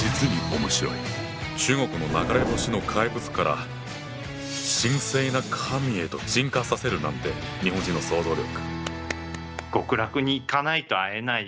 中国の流れ星の怪物から神聖な神へと進化させるなんて日本人の想像力。